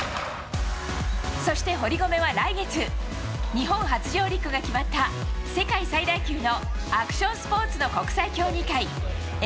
そして堀米は来月、日本初上陸が決まった世界最大級のアクションスポーツの国際競技会